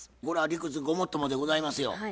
これは理屈ごもっともでございますよ。